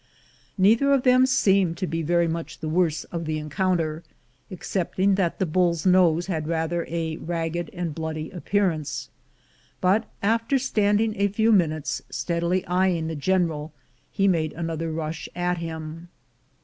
Neither of them seemed to be very much the worse of the encounter, excepting that the bull's nose had rather a ragged, and bloody appearance; but after standing a few minutes, steadily eyeing the General, he made another rush at him.